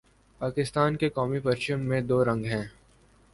پاکستان کے قومی پرچم میں دو رنگ ہیں